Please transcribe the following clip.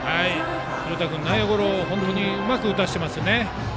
廣田君、内野ゴロを本当にうまく打たせていますね。